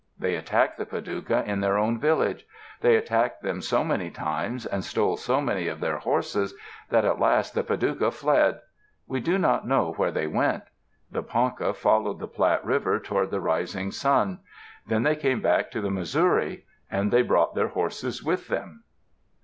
They attacked the Padouca in their own village. They attacked them so many times and stole so many of their horses that at last the Padouca fled. We do not know where they went. The Ponca followed the Platte River toward the rising sun; then they came back to the Missouri, and they brought their horses with them.